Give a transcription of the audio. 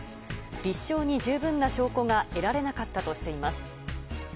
立証に十分な証拠が得られなかったとしています。